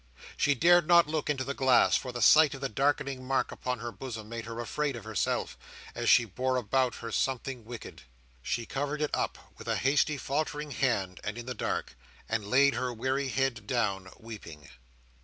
She dared not look into the glass; for the sight of the darkening mark upon her bosom made her afraid of herself, as if she bore about her something wicked. She covered it up, with a hasty, faltering hand, and in the dark; and laid her weary head down, weeping.